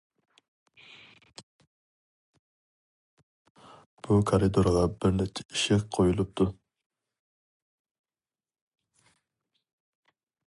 بۇ كارىدورغا بىر نەچچە ئىشىك قويۇلۇپتۇ.